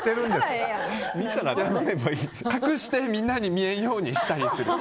みんなに見えんようにしたりする。